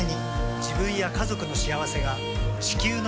自分や家族の幸せが地球の幸せにつながっている。